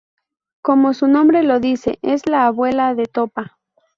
Como su nombre lo dice es la abuela de Topa.